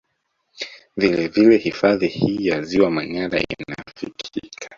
Vile vile hifadhi hii ya ziwa Manyara inafikika